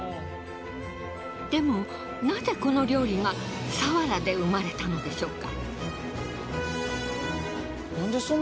でもナゼこの料理が佐原で生まれたのでしょうか。